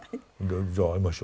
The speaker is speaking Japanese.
じゃあ会いましょう。